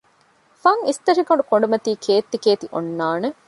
ފަން އިސްތަށިގަނޑު ކޮނޑުމަތީ ކޭއްތި ކޭއްތި އޮންނާނެ